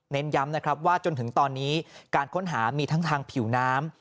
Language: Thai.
ย้ำนะครับว่าจนถึงตอนนี้การค้นหามีทั้งทางผิวน้ำ